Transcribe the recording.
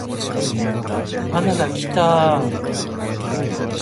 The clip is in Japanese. バナナキターーーーーー